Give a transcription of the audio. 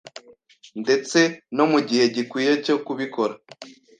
ndtse no mu gihe gikwiye cyo kubikora.